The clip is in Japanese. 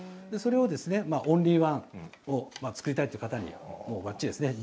それをオンリーワン作りたいという方にばっちりです。